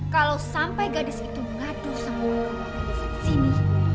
kalau sampai gadis itu mengaduh sama orang orang di sini